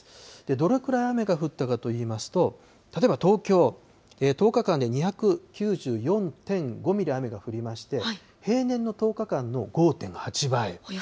どれくらい雨が降ったかといいますと、例えば東京、１０日間で２９４．５ミリ雨が降りまして、平年の１０日間の５．８倍。